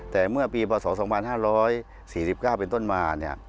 แต่เมื่อปีพศ๒๕๔๙เป็นต้นมา